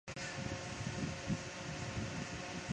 黑臀泽蛭为舌蛭科泽蛭属下的一个种。